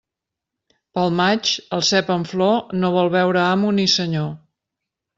Pel maig, el cep en flor no vol veure amo ni senyor.